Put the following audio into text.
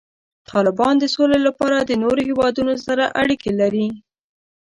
طالبان د سولې لپاره د نورو هیوادونو سره اړیکې لري.